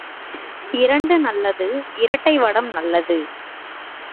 இரண்டு நல்லது இரட்டை வடம் நல்லது!